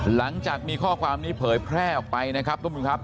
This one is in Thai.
หลังจากมีข้อความนี้เผยแพร่ออกไปนะครับทุกผู้ชมครับ